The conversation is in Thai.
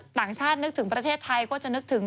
ต่างชาตินึกถึงประเทศไทยก็จะนึกถึง